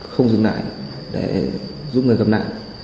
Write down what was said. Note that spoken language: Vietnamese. không dừng lại để giúp người gặp nạn